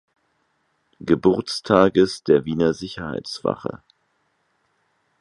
Geburtstages der Wiener Sicherheitswache.